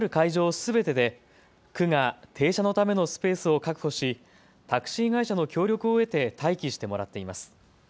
すべてで区が停車のためのスペースを確保し、タクシー会社の協力を得て待機してもらっています。